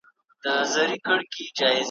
څوک له لویه سره ټیټ وي زېږېدلي `